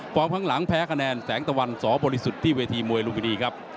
ข้างหลังแพ้คะแนนแสงตะวันสบริสุทธิ์ที่เวทีมวยลุมพินีครับ